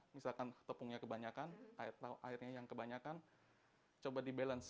misalkan tepungnya kebanyakan airnya yang kebanyakan coba di balance